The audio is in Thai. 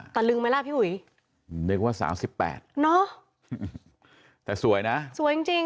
ตะลึงไหมล่ะพี่หุยนึกว่าสามสิบแปดเนอะแต่สวยนะสวยจริงจริง